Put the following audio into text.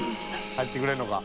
入ってくれるのか？